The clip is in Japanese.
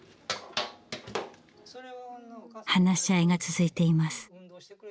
話し合いが続いています。